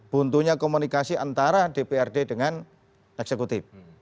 buntunya komunikasi antara dprd dengan eksekutif